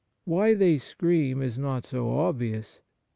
Why they scream is not so obvious.